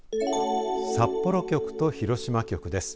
札幌局と広島局です。